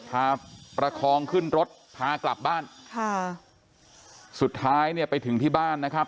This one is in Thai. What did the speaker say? ประคองขึ้นรถพากลับบ้านค่ะสุดท้ายเนี่ยไปถึงที่บ้านนะครับ